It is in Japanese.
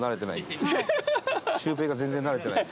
シュウペイが全然慣れてないんで。